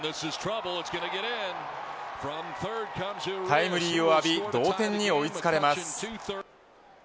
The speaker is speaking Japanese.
タイムリーを浴び同点に追いつかれます。